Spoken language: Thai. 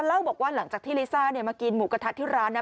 เล่าบอกว่าหลังจากที่ลิซ่ามากินหมูกระทะที่ร้านนะ